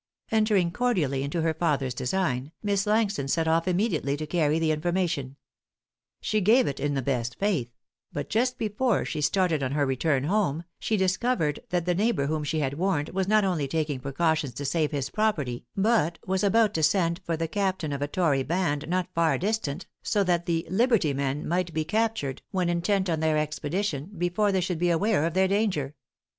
Entering cordially into her father's design, Miss Langston set off immediately to carry the information. She gave it in the best faith; but just before she started on her return home, she discovered that the neighbor whom she had warned was not only taking precautions to save his property, but was about to send for the captain of a tory band not far distant, so that the "liberty men" might be captured when intent on their expedition, before they should be aware of their danger.